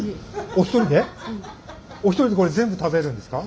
お一人でこれ全部食べるんですか？